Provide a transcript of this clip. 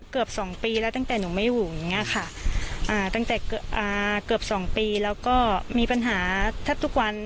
เกือบ๒ปีแล้วตั้งแต่หนูไม่อยู่ตั้งแต่เกือบ๒ปีแล้วก็มีปัญหาแทบทุกวัน